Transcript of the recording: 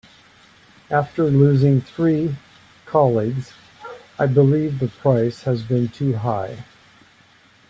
After losing three colleagues, I believe the price has been too high.